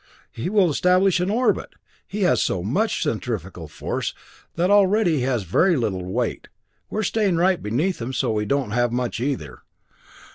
He will establish an orbit! He has so much centrifugal force already that he has very little weight. We are staying right beneath him, so we don't have much either.